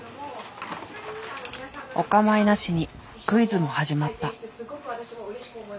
お構いなしにクイズも始まった。